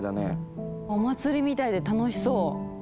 お祭りみたいで楽しそう。